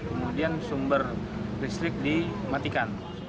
kemudian sumber listrik dimatikan